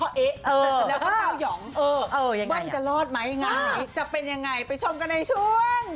แล้วก็เจ้าหย่องเบิ้ลจะรอดไหมอย่างไรจะเป็นยังไงไปชมกันในช่วง